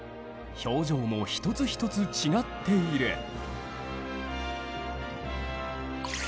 表情も一つ一つ違っている。